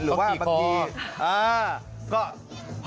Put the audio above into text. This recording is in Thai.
หรือว่าตอนนี้พ่อ